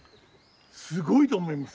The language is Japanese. すごいと思います。